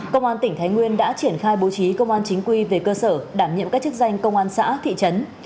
công an tỉnh thái nguyên đã triển khai bố trí công an chính quy về cơ sở đảm nhiệm các chức danh công an xã thị trấn